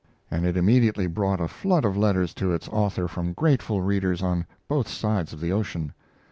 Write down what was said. and it immediately brought a flood of letters to its author from grateful readers on both sides of the ocean.